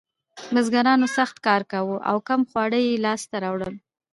بزګرانو سخت کار کاوه او کم خواړه یې لاسته راوړل.